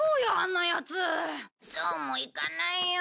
そうもいかないよ。